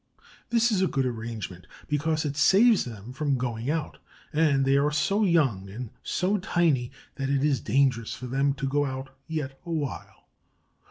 This is a good arrangement, because it saves them from going out, and they are so young and so tiny that it is dangerous for them to go out yet awhile.